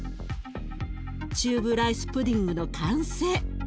チューブライスプディングの完成。